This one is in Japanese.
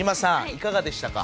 いかがでしたか。